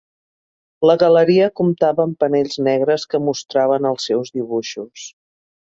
La galeria comptava amb panells negres que mostraven els seus dibuixos.